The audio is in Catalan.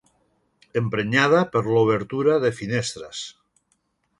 Emprenyada per l'obertura de finestres.